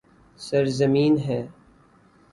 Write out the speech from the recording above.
سرزمین ہے